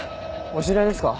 お知り合いですか？